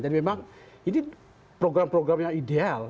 jadi memang ini program program yang ideal